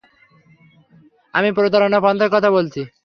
আমি প্রতারণার পন্থার কথা বলছি।